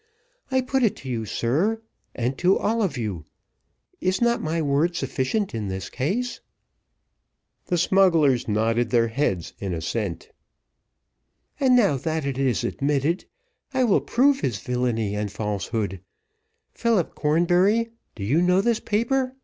I put it to you, sir, and to all of you, is not my word sufficient in this case?" The smugglers nodded their heads in assent. "And, now that is admitted, I will prove his villany and falsehood. Philip Cornbury, do you know this paper?"